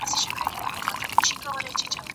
بې له قدرت څخه د پرېکړو پلي کول ناشوني دي.